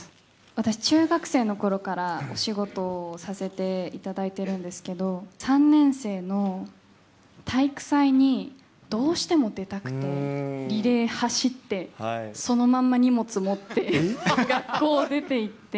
私、中学生のころからお仕事をさせていただいてるんですけど、３年生の体育祭にどうしても出たくて、リレー走って、そのまま荷物持って学校を出て行って。